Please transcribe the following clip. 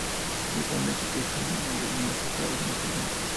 Eso ha hecho que sea uno de los más usados en este campo.